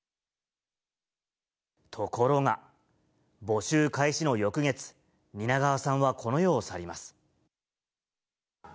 ところが、募集開始の翌月、蜷川さんはこの世を去ります。